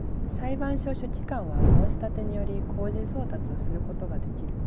裁判所書記官は、申立てにより、公示送達をすることができる